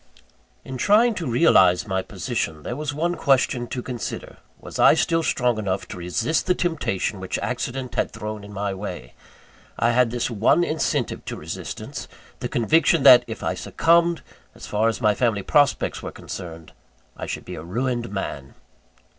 In trying to realise my position, there was this one question to consider; was I still strong enough to resist the temptation which accident had thrown in my way? I had this one incentive to resistance: the conviction that, if I succumbed, as far as my family prospects were concerned, I should be a ruined man.